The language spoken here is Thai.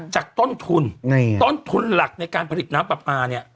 จากต้นทุนต้นทุนหลักในการผลิตน้ำปลาปลาเนี่ย